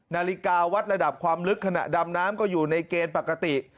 นาฬิกาวัดระดับความลึกขณะดำน้ำก็อยู่ในเกณฑ์ปกติ